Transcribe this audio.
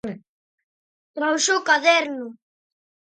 Trouxo o caderno.